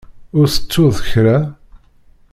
Ur tettuḍ kra?